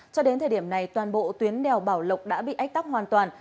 cho đến thời điểm này toàn bộ tuyến đèo bảo lộc đã bị ách tắc hoàn toàn